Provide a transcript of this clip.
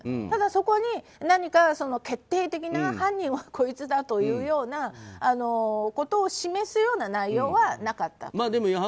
ただそこに、何か決定的な犯人はこいつだというような示すような内容はなかったんです。